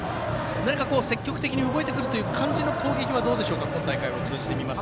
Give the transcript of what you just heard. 何か、積極的に動いてくるという攻撃はどうでしょうか今大会を通じて見ますと。